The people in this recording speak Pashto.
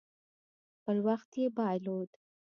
خپل بخت یې بایلود.